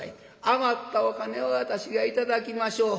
余ったお金を私が頂きましょう」。